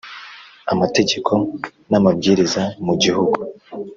amategeko n amabwiriza mu gihugu